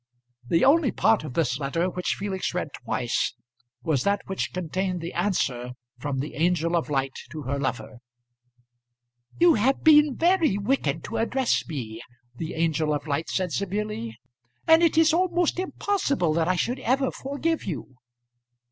The only part of this letter which Felix read twice was that which contained the answer from the angel of light to her lover. "You have been very wicked to address me," the angel of light said severely. "And it is almost impossible that I should ever forgive you!"